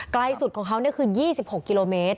ไกลสุดของเขาคือ๒๖กิโลเมตร